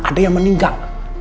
ada yang meninggal